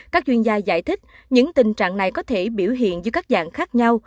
các chuyên gia giải thích những tình trạng này có thể biểu hiện dưới các dạng khác nhau